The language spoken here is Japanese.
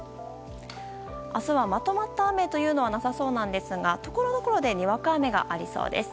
明日はまとまった雨というのはなさそうですがところどころでにわか雨がありそうです。